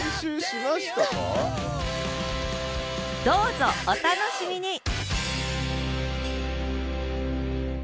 どうぞお楽しみに！